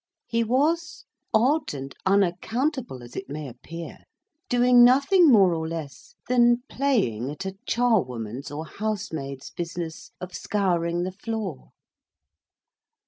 He was, odd and unaccountable as it may appear, doing nothing more or less than playing at a charwoman's or housemaid's business of scouring the floor.